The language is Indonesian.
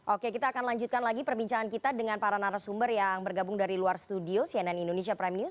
oke kita akan lanjutkan lagi perbincangan kita dengan para narasumber yang bergabung dari luar studio cnn indonesia prime news